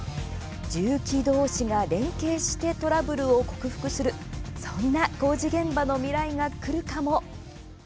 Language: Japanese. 重機同士が連携してトラブルを克服するそんな工事現場の未来がくるかも。